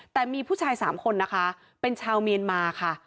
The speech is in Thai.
แต่มีผู้ชาย๓คนนะคะเป็นชาวเมียนมาค่ะ